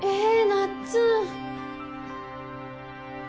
なっつん！